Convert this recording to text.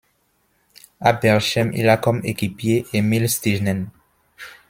À Berchem, il a comme équipier Émile Stijnen.